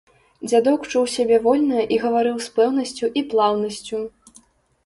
Дзядок чуў сябе вольна і гаварыў з пэўнасцю і плаўнасцю.